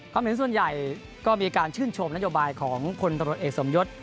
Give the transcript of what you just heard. เห็นส่วนใหญ่ก็มีการชื่นชมนโยบายของคนตำรวจเอกสมยศ